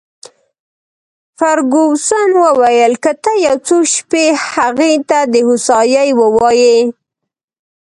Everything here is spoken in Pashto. فرګوسن وویل: که ته یو څو شپې هغې ته د هوسایۍ وواېې.